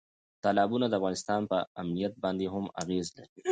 تالابونه د افغانستان په امنیت باندې هم اغېز لري.